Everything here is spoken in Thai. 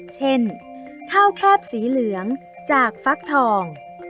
เช่นข้าวแคบสีเหลืองจากฟักทอง